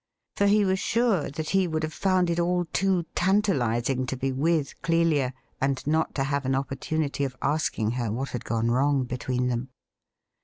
For he was sure that he would have found it aU too tantalizing to be with Clelia and not to have an opportunity of asking her what had gone wrong between them.